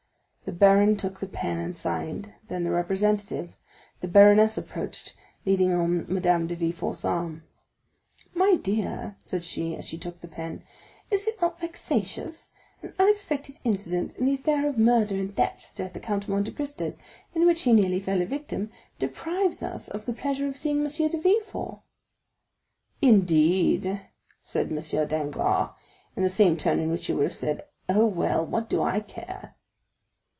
The baron took the pen and signed, then the representative. The baroness approached, leaning on Madame de Villefort's arm. "My dear," said she, as she took the pen, "is it not vexatious? An unexpected incident, in the affair of murder and theft at the Count of Monte Cristo's, in which he nearly fell a victim, deprives us of the pleasure of seeing M. de Villefort." "Indeed?" said M. Danglars, in the same tone in which he would have said, "Oh, well, what do I care?"